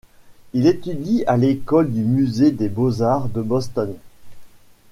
Il étudie à l'école du Musée des beaux-arts de Boston.